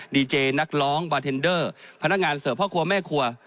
ดีเจนักร้องบาร์เทนเดอร์พนักงานเสิร์ฟพ่อครัวแม่ครัว